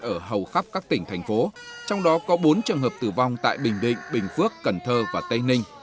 ở hầu khắp các tỉnh thành phố trong đó có bốn trường hợp tử vong tại bình định bình phước cần thơ và tây ninh